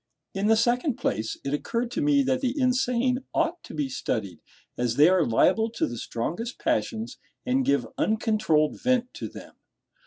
In the second place, it occurred to me that the insane ought to be studied, as they are liable to the strongest passions, and give uncontrolled vent to them.